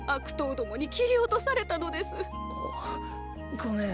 ごめん